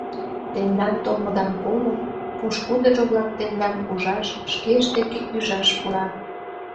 Тендан толмыдам колын, пошкудыжо-влак тендам ужаш, шкешт деке ӱжаш пурат.